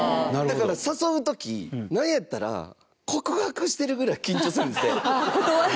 高橋：誘う時、なんやったら告白してるぐらい緊張するんですって。